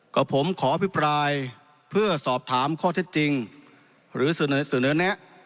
กับผมขออภิปรายเพื่อสอบถามข้อเท็จจริงหรือเสนอแนะ